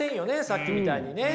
さっきみたいにね。